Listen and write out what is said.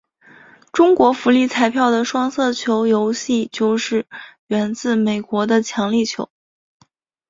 中国福利彩票的双色球游戏就是源自美国的强力球。